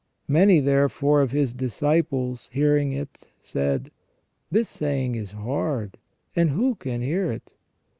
Many, therefore, of His disciples, hearing it, said :" This saying is hard, and who can hear it?